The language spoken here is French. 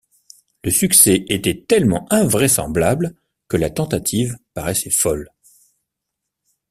Le succès était tellement invraisemblable que la tentative paraissait folle.